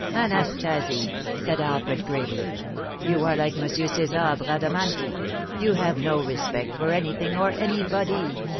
"Anastasie," said Alfred, gravely, "you are like M. César Bradamanti; you have no respect for anything or anybody.